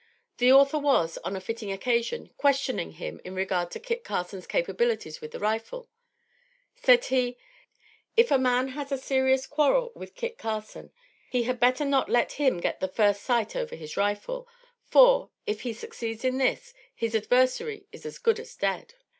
The author was, on a fitting occasion, questioning him in regard to Kit Carson's capabilities with the rifle. Said he: "If a man has a serious quarrel with Kit Carson, he had better not let him get the first sight over his rifle; for, if he succeeds in this, his adversary is as good as dead."